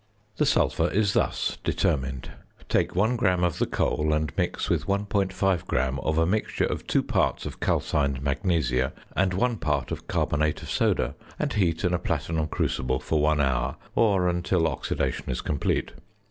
The sulphur is thus determined: Take 1 gram of the coal and mix with 1.5 gram of a mixture of 2 parts of calcined magnesia and 1 part of carbonate of soda, and heat in a platinum crucible for one hour or until oxidation is complete.